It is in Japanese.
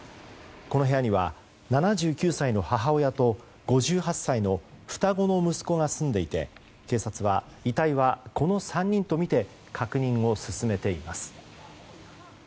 この部屋には７９歳の母親と５８歳の双子の息子が住んでいて警察は遺体はこの３人とみて確認を進めています。